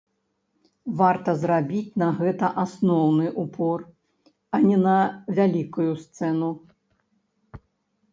Варта зрабіць на гэта асноўны упор, а не на вялікую сцэну.